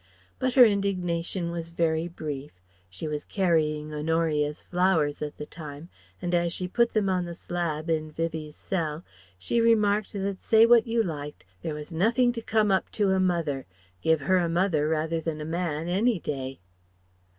But her indignation was very brief. She was carrying Honoria's flowers at the time, and as she put them on the slab in Vivie's cell, she remarked that say what you liked, there was nothing to come up to a mother, give her a mother rather than a man any day.